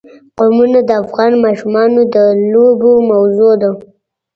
قومونه د افغان ماشومانو د لوبو موضوع ده.